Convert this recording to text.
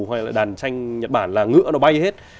hoặc là đàn tranh nhật bản là ngựa nó bay đi hết